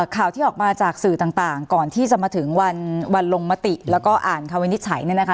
ข่าวที่ออกมาจากสื่อต่างก่อนที่จะมาถึงวันลงมติแล้วก็อ่านคำวินิจฉัยเนี่ยนะคะ